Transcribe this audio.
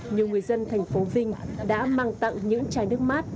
nhiều người dân thành phố vinh đã mang tặng những chai nước mát